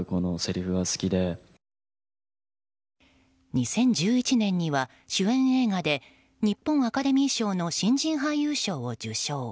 ２０１１年には主演映画で日本アカデミー賞の新人俳優賞を受賞。